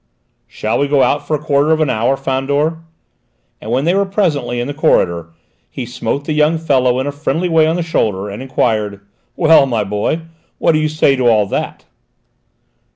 "Shall we go out for a quarter of an hour, Fandor?" and when they were presently in the corridor, he smote the young fellow in a friendly way on the shoulder and enquired: "Well, my boy, what do you say to all that?"